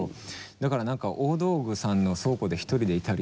だから何か大道具さんの倉庫で一人でいたり。